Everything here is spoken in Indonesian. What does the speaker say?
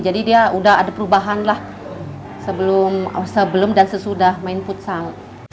jadi dia udah ada perubahan lah sebelum dan sesudah main futsal